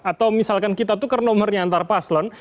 atau misalkan kita tukar nomornya antar paslon